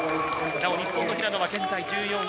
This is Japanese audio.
日本の平野は現在１４位。